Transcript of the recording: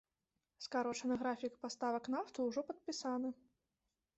Скарочаны графік паставак нафты ўжо падпісаны.